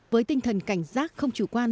với tinh thần cảnh giác không chủ quan